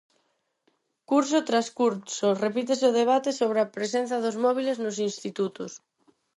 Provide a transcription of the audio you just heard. Curso tras curso, repítese o debate sobre a presenza dos móbiles nos institutos.